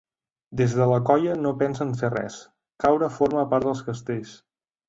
Des de la colla no pensen fer res: ‘caure forma part dels castells’.